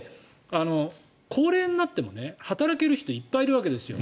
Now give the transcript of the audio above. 高齢になっても働ける人はいっぱいいるわけですよ。